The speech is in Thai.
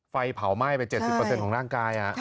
ไฟเผาไหม้ไป๗๐ของร่างกาย